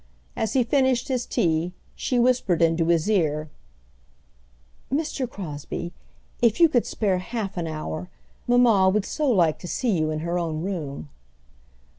As he finished his tea she whispered into his ear, "Mr. Crosbie, if you could spare half an hour, mamma would so like to see you in her own room."